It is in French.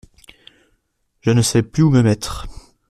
Je ne savais plus où me mettre.